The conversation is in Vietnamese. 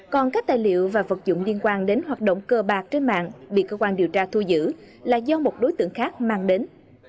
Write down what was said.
còn các tài liệu và vật dụng liên quan đến hoạt động cờ bạc trên mạng bị cơ quan điều tra thu giữ là do một đối tượng khác mang đến